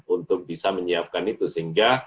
untuk bisa menyiapkan itu sehingga